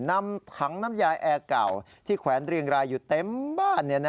นำถังน้ำยาแอร์เก่าที่แขวนเรียงรายอยู่เต็มบ้าน